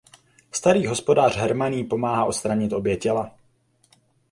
Starý hospodář Herman jí pomáhá odstranit obě těla.